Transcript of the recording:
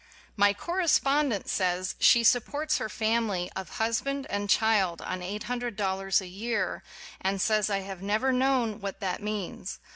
My correspondent says she supports her family of husband and child on eight hundred dollars a year, and says I have never known what that means.